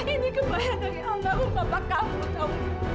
ini kebaya dari allah papa kamu tahu